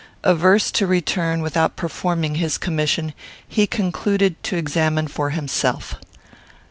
Averse to return without performing his commission, he concluded to examine for himself.